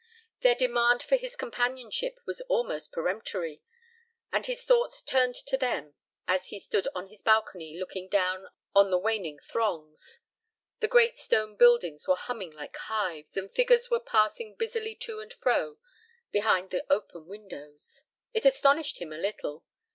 Their demand for his companionship was almost peremptory, and his thoughts turned to them as he stood on his balcony looking down on the waning throngs: the great stone buildings were humming like hives, and figures were passing busily to and fro behind the open windows. It astonished him a little.